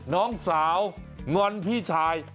น้องสาวงอนพี่ชาย